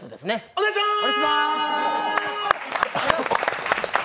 お願いしまーす！